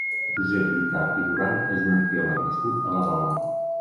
Josep Guitart i Duran és un arqueòleg nascut a Badalona.